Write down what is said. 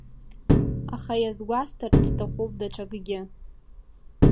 Аха, иазгәасҭарц сҭахуп даҽакгьы…